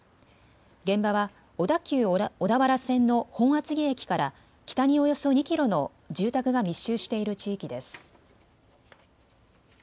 現場は小田急小田原線の本厚木駅から北におよそ２キロの住宅が密集している地域です。